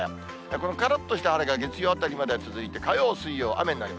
このからっとした晴が月曜あたりまでは続いて、火曜、水曜、雨の予想。